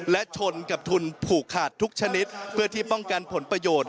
และชนกับทุนผูกขาดทุกชนิดเพื่อที่ป้องกันผลประโยชน์